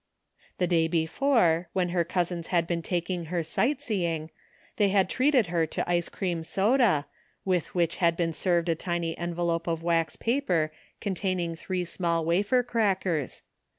The day before, when her cousins had been taking her sightseeing, they had treated her to ice cream 43 THE FINDING OF JASPER HOLT soda, with which had been served a tiny envelope of wax paper containing three small wafer crackers.